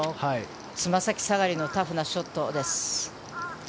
つま先下がりのタフなショットです。